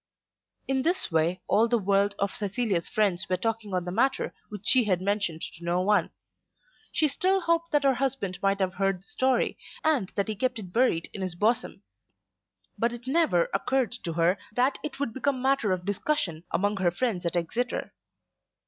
In this way all the world of Cecilia's friends were talking on the matter which she had mentioned to no one. She still hoped that her husband might have heard the story, and that he kept it buried in his bosom. But it never occurred to her that it would become matter of discussion among her friends at Exeter.